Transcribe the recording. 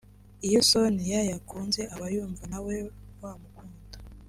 Iyo Sonia yagukunze aba yumva nawe wamukunda